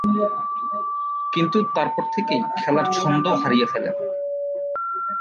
কিন্তু তারপর থেকেই খেলার ছন্দ হারিয়ে ফেলেন।